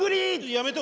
やめて。